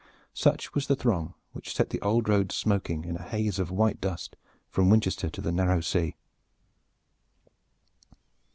Such was the throng which set the old road smoking in a haze of white dust from Winchester to the narrow sea.